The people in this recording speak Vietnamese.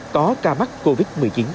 có ca mắc covid một mươi chín